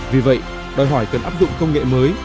vì vậy đòi hỏi cần áp dụng công nghệ mới